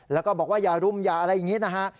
แล้วก็บอกว่าอย่ารุมอย่าอะไรอย่างนี้นะฮะ